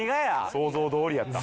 想像どおりやった。